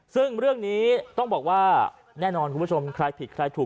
ซึ่งเรื่องนี้ต้องบอกว่าแน่นอนคุณผู้ชมใครผิดใครถูก